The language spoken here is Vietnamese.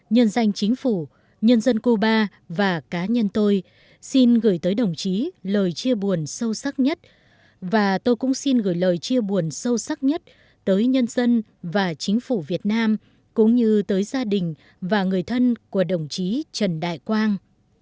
nhân danh chính phủ nhân dân cuba và cá nhân tôi xin gửi tới đồng chí lời chia buồn sâu sắc nhất và tôi cũng xin gửi lời chia buồn sâu sắc nhất tới nhân dân và chính phủ việt nam cũng như tới gia đình và người thân của đồng chí trần đại quang